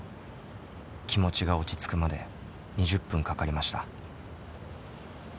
気持ちが落ち着くまで２０分かかりました。